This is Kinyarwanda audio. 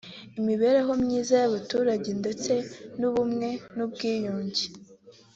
imibereho myiza y’abaturage ndetse n’ubumwe n’ubwiyunge